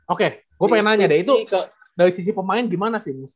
oke gue pengen nanya deh itu dari sisi pemain gimana sih